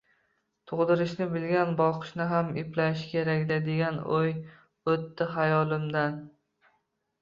Tug`dirishni bilgan boqishni ham eplashi kerak-da, degan o`y o`tdi xayolimdan